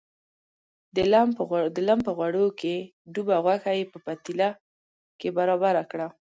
د لم په غوړو کې ډوبه غوښه یې په پتیله کې برابره کړه.